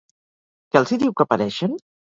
Què els hi diu que pareixen?